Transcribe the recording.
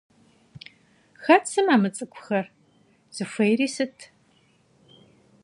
Хэт сымэ мы цӏыхухэр?! Зыхуейри сыт?